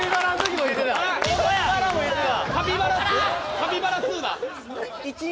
カピバラ２だ！